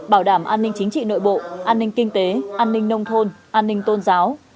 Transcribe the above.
bảo đảm an ninh chính trị nội bộ an ninh kinh tế an ninh nông thôn an ninh tôn giáo